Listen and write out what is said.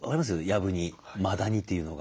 やぶにマダニというのが。